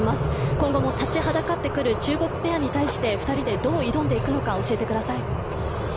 今後も立ちはだかってくる中国ペアに対して、２人でどう挑んでいくのか教えてください。